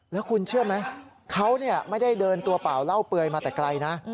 แล้วคุณเชื่อไหมเขาไม่ได้เดินตัวเปล่าเล่าเปลือยมาแต่ไกลนะ